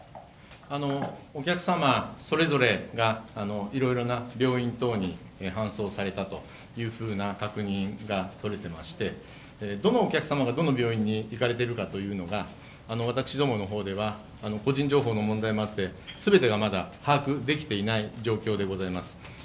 お客様それぞれがいろいろな病院等に搬送されたという確認が取れていまして、どのお客様がどの病院に行かれているのかが私どもの方では、個人情報の問題もあって、全てが把握できていない状況でございます。